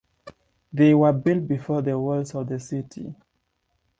They were built before the walls of the city.